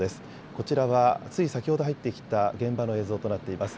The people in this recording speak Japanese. こちらはつい先ほど入ってきた現場の映像となっています。